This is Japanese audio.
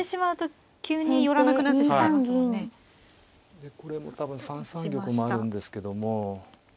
でこれも多分３三玉もあるんですけども。